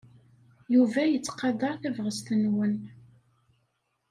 Yuba yettqadar tabɣest-nwen.